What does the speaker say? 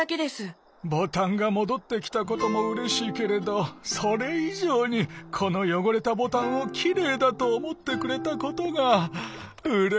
ボタンがもどってきたこともうれしいけれどそれいじょうにこのよごれたボタンをきれいだとおもってくれたことがうれしいな。